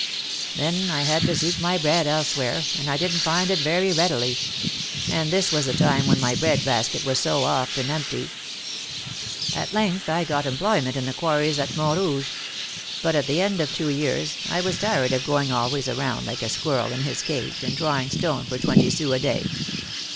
Then I had to seek my bread elsewhere, and I didn't find it very readily; and this was the time when my bread basket was so often empty. At length I got employment in the quarries at Montrouge; but, at the end of two years, I was tired of going always around like a squirrel in his cage, and drawing stone for twenty sous a day.